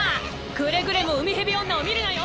くれぐれも海蛇女を見るなよ！